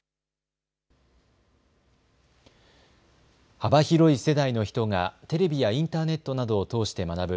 幅広い世代の人がテレビやインターネットなどを通して学ぶ